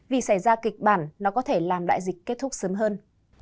vì xảy ra kịch bản nó có thể làm đại dịch kết thúc sớm hơn